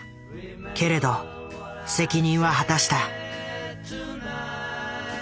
けれど責任は果たした。